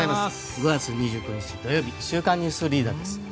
５月２９日、土曜日「週刊ニュースリーダー」です。